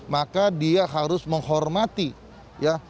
maka dia harus menghormati ya